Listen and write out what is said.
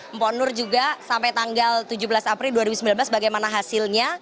mpok nur juga sampai tanggal tujuh belas april dua ribu sembilan belas bagaimana hasilnya